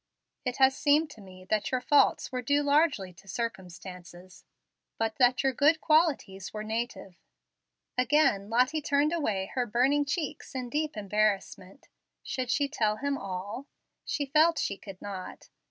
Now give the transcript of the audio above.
It has seemed to me that your faults were due largely to circumstances, but that your good qualities were native." Again Lottie turned away her burning cheeks in deep embarrassment. Should she tell him all? She felt she could not.